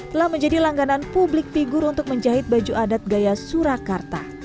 telah menjadi langganan publik figur untuk menjahit baju adat gaya surakarta